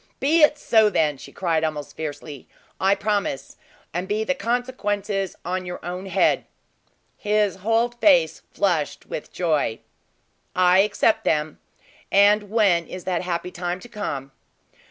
"Be it so then!" she cried almost fiercely. "I promise, and be the consequences on your own head." His whole face flushed with joy. "I accept them. And when is that happy time to come?"